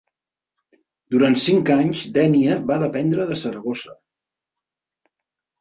Durant cinc anys Dénia va dependre de Saragossa.